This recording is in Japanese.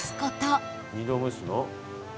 ２度蒸すの？